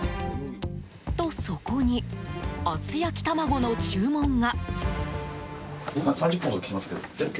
と、そこに厚焼き玉子の注文が。